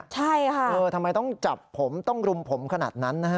ใช่ค่ะเออทำไมต้องจับผมต้องรุมผมขนาดนั้นนะฮะ